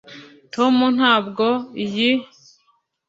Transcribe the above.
tom ntabwo iyi